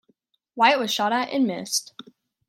Wyatt was shot at and missed.